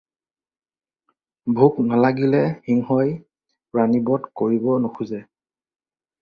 ভোক নেলাগিলে সিংহই প্ৰাণীবধ কৰিব নোখোজে